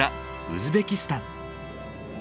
ウズベキスタン。